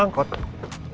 aku mau ke kantor